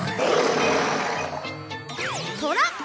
トラ！